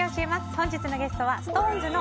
本日のゲストはＳｉｘＴＯＮＥＳの